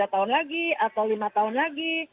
tiga tahun lagi atau lima tahun lagi